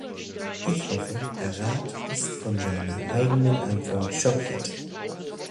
Ich hoffe, der Rat ist von seiner eigenen Antwort schockiert.